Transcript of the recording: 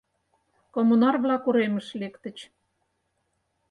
Коммунар-влак уремыш лектыч.